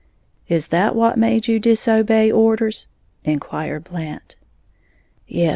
"Is that what made you disobey orders?" inquired Blant. "Yes.